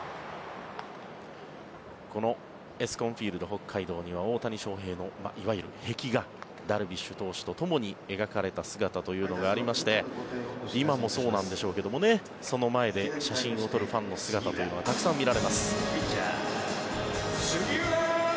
このＥＳＣＯＮＦＩＥＬＤＨＯＫＫＡＩＤＯには大谷翔平のいわゆる壁画ダルビッシュ投手とともに描かれた姿というのがありまして今もそうなんでしょうけどその前で写真を撮るファンの姿というのがたくさん見られます。